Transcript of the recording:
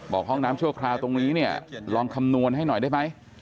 ห้องน้ำชั่วคราวตรงนี้เนี่ยลองคำนวณให้หน่อยได้ไหม